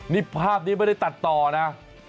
นี่ภาพนี้ไม่ได้ตัดต่อนะ